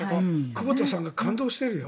久保田さんが感動してるよ。